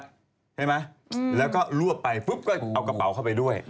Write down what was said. ใช่ไหมแล้วก็รวบไปปุ๊บก็เอากระเป๋าเข้าไปด้วย